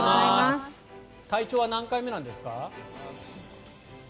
隊長は何回目なんですか？